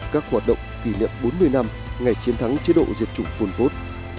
các hoạt động kỷ niệm bốn mươi năm ngày chiến thắng chế độ diệt chủng phôn vốt